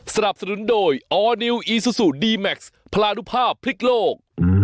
สนับสนุนโดยออร์นิวอีซูซูดีแม็กซ์พลานุภาพพริกโลก